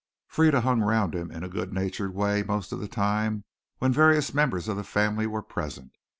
Frieda hung round him in a good natured way most of the time when various members of the family were present.